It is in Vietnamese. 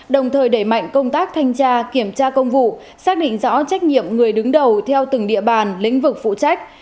đồng thời đẩy mạnh công tác thanh tra kiểm tra công vụ xác định rõ trách nhiệm người đứng đầu theo từng địa bàn lĩnh vực phụ trách